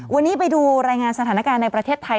วันนี้ไปดูรายงานสถานการณ์ในประเทศไทย